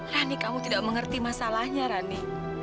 rani kamu tidak mengerti masalahnya rani